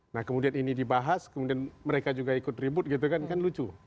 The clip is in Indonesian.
nah kemudian ini dibahas kemudian mereka juga ikut ribut gitu kan kan lucu